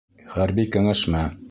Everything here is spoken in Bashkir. ХӘРБИ КӘҢӘШМӘ